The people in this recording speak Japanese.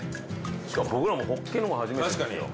僕らもホッケのも初めてですよ